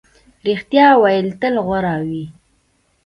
رښتیا ویل تل غوره وي.